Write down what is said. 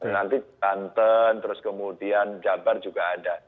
nanti banten terus kemudian jabar juga ada